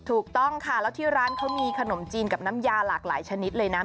ถูกต้องค่ะแล้วที่ร้านเขามีขนมจีนกับน้ำยาหลากหลายชนิดเลยนะ